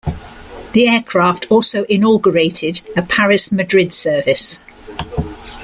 The aircraft also inaugurated a Paris-Madrid service.